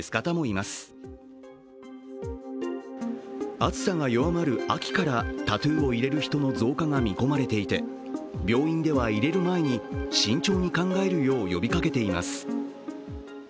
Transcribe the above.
暑さが弱まる秋からタトゥーを入れる人の増加が見込まれていて、病院では入れる前に慎重に考えるよう呼びかけています。